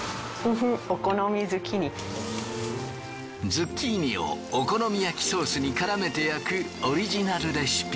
ズッキーニをお好み焼きソースに絡めて焼くオリジナルレシピ。